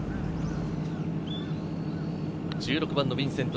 １６番のビンセント。